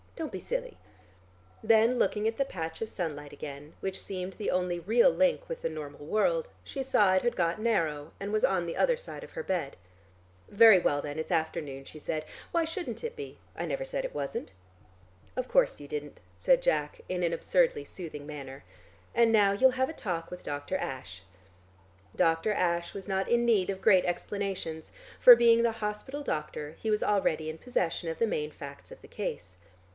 "Don't be silly." Then looking at the patch of sunlight again, which seemed the only real link with the normal world, she saw it had got narrow, and was on the other side of her bed. "Very well then, it's afternoon," she said. "Why shouldn't it be? I never said it wasn't." "Of course you didn't," said Jack in an absurdly soothing manner. "And now you'll have a talk with Dr. Ashe." Dr. Ashe was not in need of great explanations, for being the hospital doctor, he was already in possession of the main facts of the case.